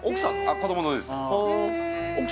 子どものです